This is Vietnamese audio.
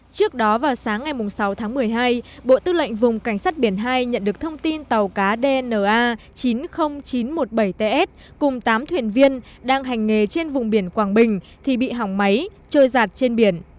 trước đó vào sáng ngày sáu tháng một mươi hai bộ tư lệnh vùng cảnh sát biển hai nhận được thông tin tàu cá dna chín mươi nghìn chín trăm một mươi bảy ts cùng tám thuyền viên đang hành nghề trên vùng biển quảng bình thì bị hỏng máy trôi giạt trên biển